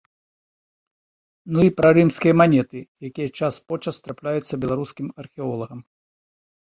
Ну і пра рымскія манеты, якія час-почас трапляюцца беларускім археолагам.